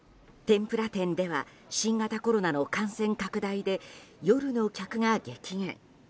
天ぷら店では新型コロナの感染拡大で夜の客が激減。